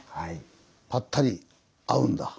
ぱったり会うんだ。